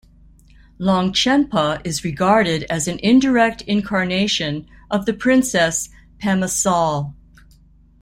Longchenpa is regarded as an indirect incarnation of the princess Pema Sal.